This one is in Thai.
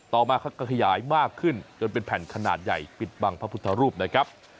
ต่อมาเขาก็ขยายมากขึ้นจนเป็นแผ่นขนาดใหญ่ปิดบังพระพุทธรูปนะครับ